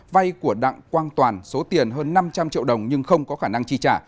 vay của đặng quang toàn số tiền hơn năm trăm linh triệu đồng nhưng không có khả năng chi trả